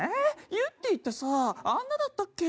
ゆってぃってさあんなだったっけ？」。